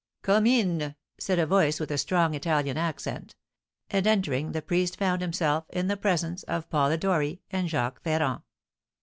"Come in," said a voice with a strong Italian accent; and, entering, the priest found himself in the presence of Polidori and Jacques Ferrand.